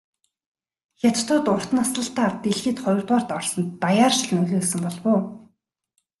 Хятадууд урт наслалтаар дэлхийд хоёрдугаарт орсонд даяаршил нөлөөлсөн болов уу?